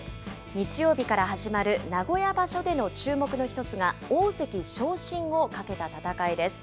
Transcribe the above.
日曜日から始まる名古屋場所での注目の一つが、大関昇進をかけた戦いです。